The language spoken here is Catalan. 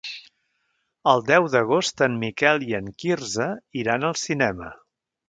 El deu d'agost en Miquel i en Quirze iran al cinema.